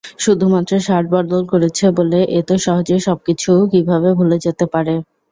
শুধুমাত্র শার্ট বদল করেছে বলে, এতো সহজে সবকিছু কীভাবে ভুলে যেতে পারে?